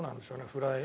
フライ。